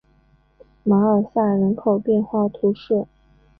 马尔赛人口变化图示